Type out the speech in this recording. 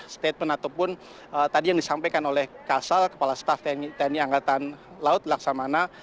statement ataupun tadi yang disampaikan oleh kasal kepala staff tni angkatan laut laksamana